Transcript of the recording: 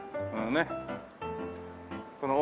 ねっ。